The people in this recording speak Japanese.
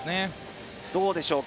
どうでしょうか？